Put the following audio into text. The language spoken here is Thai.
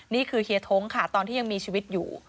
เฮียท้งค่ะตอนที่ยังมีชีวิตอยู่